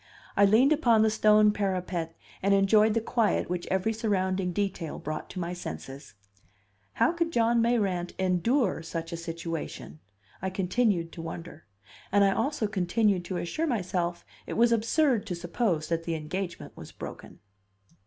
I leaned upon the stone parapet and enjoyed the quiet which every surrounding detail brought to my senses. How could John Mayrant endure such a situation? I continued to wonder; and I also continued to assure myself it was absurd to suppose that the engagement was broken.